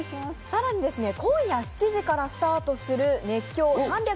更に今夜７時からスタートする「熱狂！